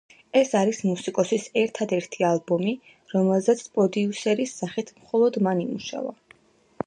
ეს არის მუსიკოსის ერთადერთი ალბომი, რომელზეც პროდიუსერის სახით მხოლოდ მან იმუშავა.